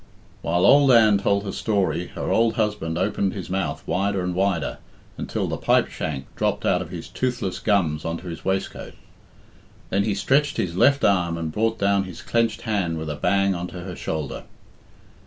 While old Anne told her story her old husband opened his mouth wider and wider, until the pipe shank dropped out of his toothless gums on to his waistcoat. Then he stretched his left arm and brought down his clenched hand with a bang on to her shoulder.